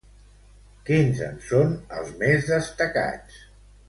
Quins en són els més destacats?